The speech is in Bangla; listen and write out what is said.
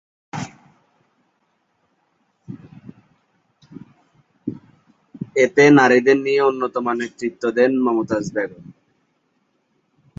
এতে নারীদের নিয়ে অন্যতম নেতৃত্ব দেন মমতাজ বেগম।